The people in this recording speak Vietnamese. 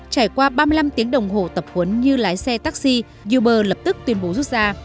trải qua ba mươi năm tiếng đồng hồ tập huấn như lái xe taxi uber lập tức tuyên bố rút ra